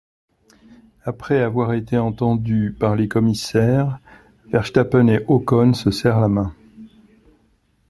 Après avoir été entendus par les commissaires, Verstappen et Ocon se serrent la main.